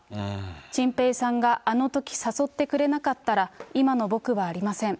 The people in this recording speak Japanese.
チンペイさんがあのとき誘ってくれなかったら、今の僕はありません。